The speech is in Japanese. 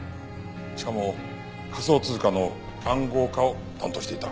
しかも仮想通貨の暗号化を担当していた。